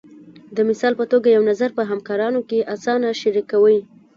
د مثال په توګه یو نظر په همکارانو کې اسانه شریکوئ.